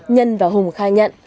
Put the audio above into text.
nhân và hùng khai nhận